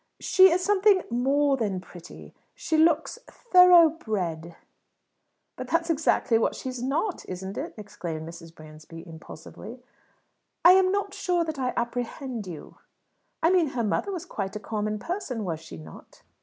"She is something more than pretty. She looks thoroughbred." "But that's exactly what she is not, isn't it?" exclaimed Mrs. Bransby impulsively. "I am not sure that I apprehend you." "I mean her mother was quite a common person, was she not?"